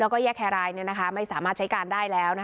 แล้วก็แยกแครายเนี่ยนะคะไม่สามารถใช้การได้แล้วนะคะ